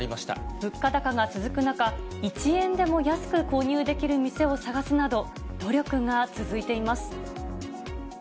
物価高が続く中、１円でも安く購入できる店を探すなど、努力が続いています。